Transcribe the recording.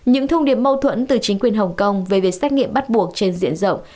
những thông điểm mâu thuẫn từ chính quyền hồng kông về việc xác nghiệm bắt buộc trên diện rộng